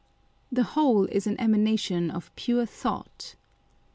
The whole is an emanation of pure thought.